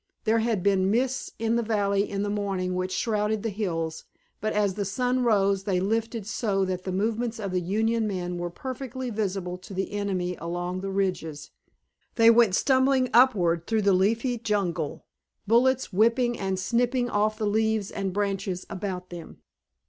There had been mists in the valley in the morning which shrouded the hills, but as the sun rose they lifted so that the movements of the Union men were perfectly visible to the enemy along the ridges. They went stumbling upward through the leafy jungle, bullets whipping and snipping off the leaves and branches about them.